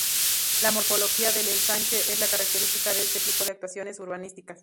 La morfología del ensanche es la característica de este tipo de actuaciones urbanísticas.